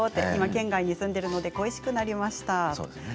今、県外に住んでいるので恋しくなりました。